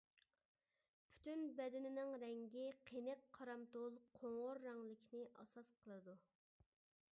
پۈتۈن بەدىنىنىڭ رەڭگى قېنىق قارامتۇل قوڭۇر رەڭلىكنى ئاساس قىلىدۇ.